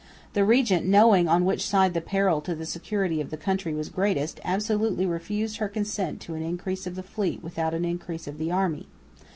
The regent, knowing on which side the peril to the security of the country was greatest, absolutely refused her consent to an increase of the fleet without an increase of the army.